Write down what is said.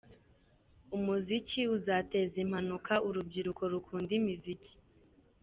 Umuziki uzateza impanuka urubyiruko rukunda imiziki